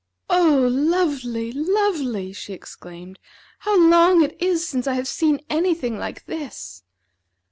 "Oh, lovely! lovely!" she exclaimed. "How long it is since I have seen any thing like this!"